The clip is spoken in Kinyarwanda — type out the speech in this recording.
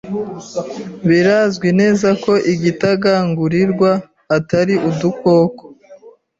Birazwi neza ko igitagangurirwa atari udukoko.